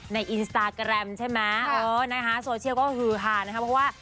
ในอินสตาร์กรัมใช่ไหมโอ้นะฮะโซเชียลก็ฮือฮานะครับเพราะว่า